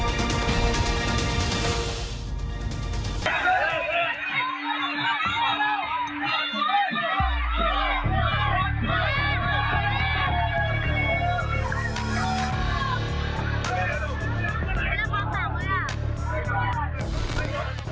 โดยโดยเบาะบัยการ์ดิจักรโดยโดยโดยไปรัก